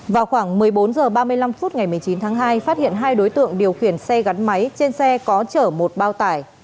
vào khoảng một mươi bốn h ba mươi năm phút ngày một mươi chín tháng hai phát hiện hai đối tượng điều khiển xe gắn máy trên xe có chở một bao tải